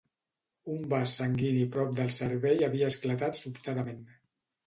Un vas sanguini prop del cervell havia esclatat sobtadament.